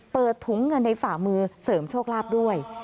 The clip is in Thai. เปิดถุงเงินในฝ่ามือเสริมโชคลาภด้วย